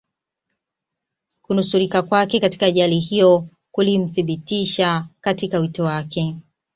kunusurika kwake katika ajali hiyo kulimthibitisha katika wito wake